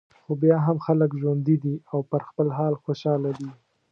خو بیا هم خلک ژوندي دي او پر خپل حال خوشاله دي.